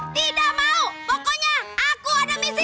tidak mau pokoknya aku ada misi